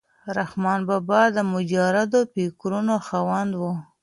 رحمان بابا د مجردو فکرونو خاوند و.